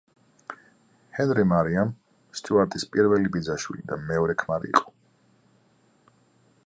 ჰენრი მარიამ სტიუარტის პირველი ბიძაშვილი და მეორე ქმარი იყო.